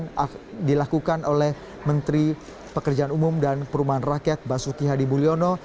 yang dilakukan oleh menteri pekerjaan umum dan perumahan rakyat basuki hadi mulyono